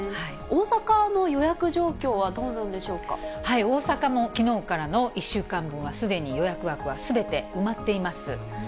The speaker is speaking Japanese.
大阪の予約状況はどうなんで大阪もきのうからの１週間分はすでに予約枠はすべて埋まっています。